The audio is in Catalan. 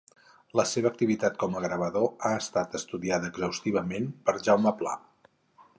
La seva activitat com a gravador ha estat estudiada exhaustivament per Jaume Pla.